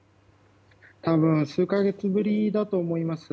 多分数か月ぶりだと思います。